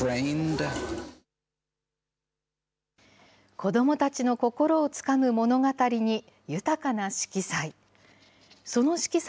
子どもたちの心をつかむ物語に、豊かな色彩。